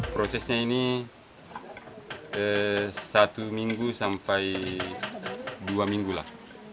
prosesnya ini satu minggu sampai dua minggu lah